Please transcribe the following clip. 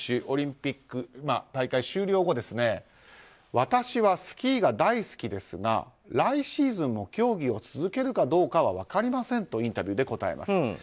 オリンピック大会終了後私はスキーが大好きですが来シーズンも競技を続けるかどうかは分かりませんとインタビューで答えます。